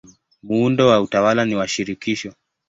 Muundo wa utawala ni wa shirikisho.